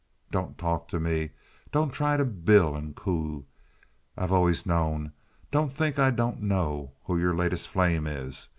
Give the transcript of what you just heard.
Don't talk to me. Don't try to bill and coo. I've always known. Don't think I don't know who your latest flame is.